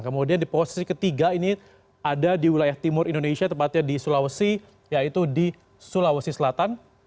kemudian di posisi ketiga ini ada di wilayah timur indonesia tepatnya di sulawesi yaitu di sulawesi selatan